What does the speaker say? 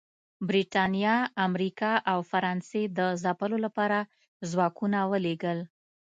برېټانیا، امریکا او فرانسې د ځپلو لپاره ځواکونه ولېږل